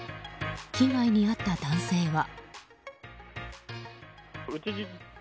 被害に遭った男性は。